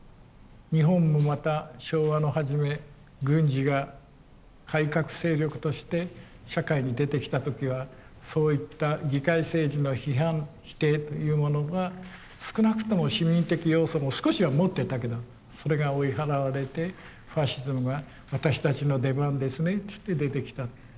日本もまた昭和の初め軍事が改革勢力として社会に出てきた時はそういった議会政治の批判・否定というものが少なくとも市民的要素も少しは持ってたけどそれが追い払われてファシズムが私たちの出番ですねって言って出てきた。